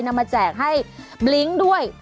นำมาแจกให้บลิ้งด้วย